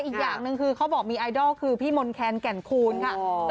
อีกอย่างหนึ่งคือเขาบอกมีไอดอลคือพี่มนต์แคนแก่นคูณค่ะ